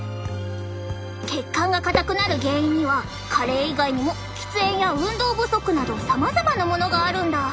血管が硬くなる原因には加齢以外にも喫煙や運動不足などさまざまなものがあるんだ。